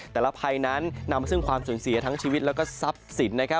แต่ละภัยนั้นนำมาซึ่งความสูญเสียทั้งชีวิตและก็ซับสินนะครับ